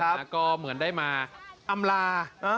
แล้วก็เหมือนได้มาอำลา